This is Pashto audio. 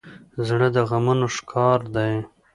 زړه د غمونو ښکار دی.